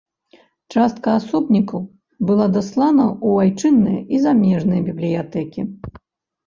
Частка асобнікаў была даслана ў айчынныя і замежныя бібліятэкі.